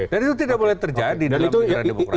dan itu tidak boleh terjadi dalam negara demokratis